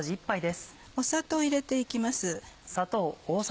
砂糖を入れて行きます。